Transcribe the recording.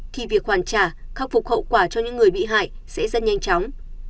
thì việc hoàn trả khắc phục hậu quả cho những người bị hại sẽ rất nhanh chóng